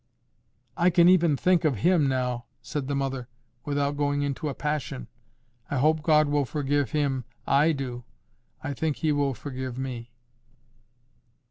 "I can even think of HIM now," said the mother, "without going into a passion. I hope God will forgive him. I do. I think He will forgive me."